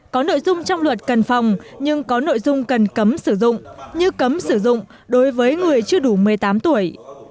có nội dung trong luật cần phòng nhưng có nội dung cần cấm sử dụng như cấm sử dụng đối với người chưa đủ một mươi tám tuổi